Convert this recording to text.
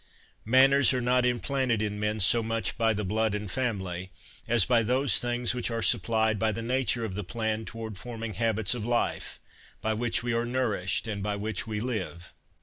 Manners are not implanted in men so much by the blood and family, as by those things which are supplied by the nature of the plan to ward forming habits of life, by which we are nourished, and by which we live.